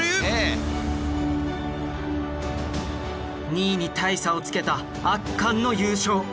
２位に大差をつけた圧巻の優勝。